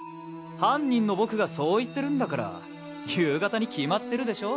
犯人の僕がそう言ってるんだから夕方に決まってるでしょ？